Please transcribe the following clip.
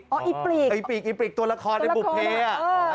อสต์แต่อีปริกตัวละครเบปุ๊กเพลอ